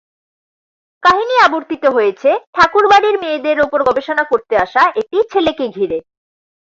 কাহিনি আবর্তিত হয়েছে ঠাকুর বাড়ির মেয়েদের ওপর গবেষণা করতে আসা একটি ছেলেকে ঘিরে।